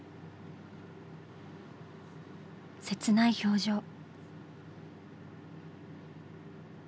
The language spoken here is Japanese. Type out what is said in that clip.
切ない表情。